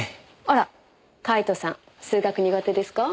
あらカイトさん数学苦手ですか？